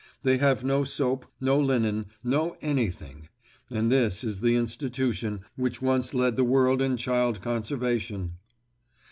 They have no soap, no linen, no anything. And this is the institution which once led the world in child conservation!